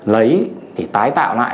lấy để tái tạo lại